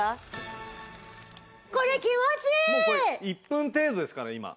１分程度ですから今。